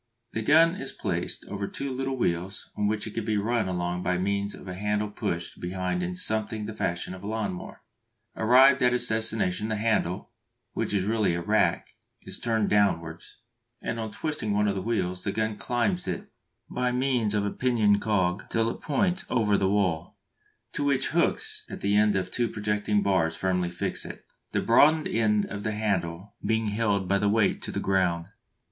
The gun is placed over two little wheels on which it can be run along by means of a handle pushed behind in something the fashion of a lawn mower. Arrived at its destination, the handle, which is really a rack, is turned downwards, and on twisting one of the wheels the gun climbs it by means of a pinion cog till it points over the wall, to which hooks at the end of two projecting bars firmly fix it, the broadened end of the handle being held by its weight to the ground.